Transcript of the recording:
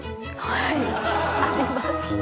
はい！あります。